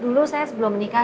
dulu saya sebelum menikah